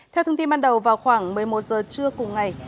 theo thông tin ban đầu vào khoảng một mươi một giờ trưa cùng ngày